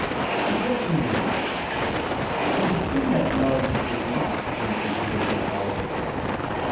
Objection 1: It would seem that love is not in the concupiscible power.